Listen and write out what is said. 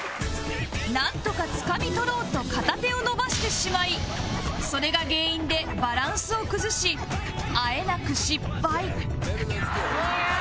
なんとかつかみ取ろうと片手を伸ばしてしまいそれが原因でバランスを崩しあえなく失敗ああー！